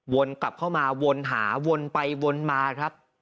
กลับเข้ามาวนหาวนไปวนมาครับ